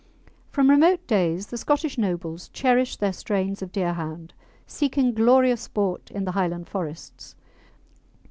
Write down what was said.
From remote days the Scottish nobles cherished their strains of Deerhound, seeking glorious sport in the Highland forests.